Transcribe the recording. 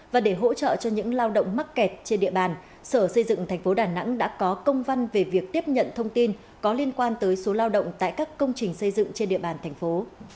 và để hỗ trợ cho những lao động mắc kẹt trên địa bàn sở xây dựng thành phố đà nẵng đã có công văn về việc tiếp nhận thông tin có liên quan tới số lao động tại các công trình xây dựng trên địa bàn thành phố